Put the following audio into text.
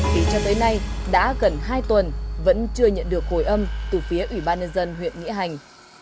vì cho tới nay đã gần hai tuần vẫn chưa nhận được hồi âm từ phía ủy ban nhân dân huyện nghĩa hành